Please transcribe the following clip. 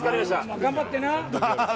頑張ってな。